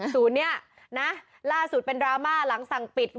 ศูนย์นี้นะล่าสุดเป็นดราม่าหลังสั่งปิด